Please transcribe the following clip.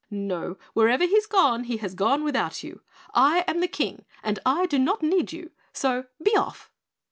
"No, wherever he's gone he has gone without you. I am the King and I do not need you, so be off!"